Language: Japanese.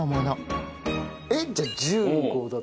えっじゃあ１０号だと。